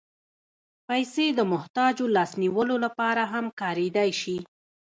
پېسې د محتاجو لاس نیولو لپاره هم کارېدای شي.